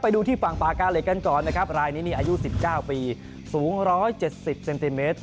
ดูที่ฝั่งป่ากาเหล็กกันก่อนนะครับรายนี้นี่อายุ๑๙ปีสูง๑๗๐เซนติเมตร